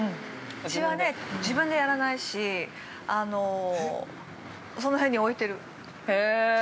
うちはね、自分でやらないし、その辺に置いてる。